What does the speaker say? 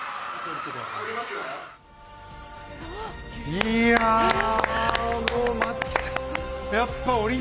いやー、もう松木さん。